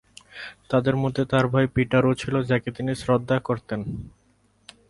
তাদের মধ্যে তার ভাই পিটার ও ছিল যাকে তিনি শ্রদ্ধা করতেন।